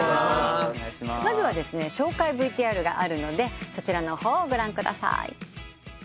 まずは紹介ＶＴＲがあるのでそちらの方をご覧ください。